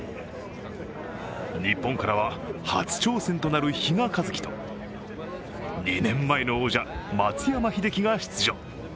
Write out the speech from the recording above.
日本からは初挑戦となる比嘉一貴と２年前の王者・松山英樹が出場。